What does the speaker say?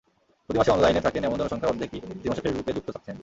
প্রতি মাসে অনলাইনে থাকেন এমন জনসংখ্যার অর্ধেকই প্রতি মাসে ফেসবুকে যুক্ত থাকছেন।